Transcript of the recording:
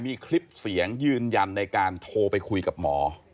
มีคลิปเสียงยืนยันในการโทรไปคุยกับหมอ